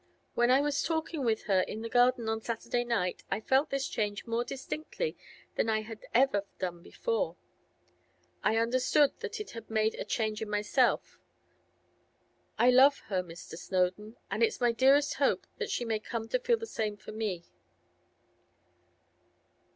When I was talking with her in the garden on Saturday night I felt this change more distinctly than I had ever done before. I understood that it had made a change in myself. I love her, Mr. Snowdon, and it's my dearest hope that she may come to feel the same for me.